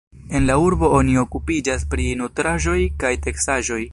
En la urbo oni okupiĝas pri nutraĵoj kaj teksaĵoj.